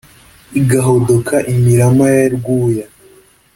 igahodoka imirama ya rwuya